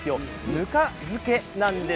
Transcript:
ぬか漬けなんです。